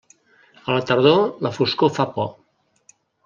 A la tardor, la foscor fa por.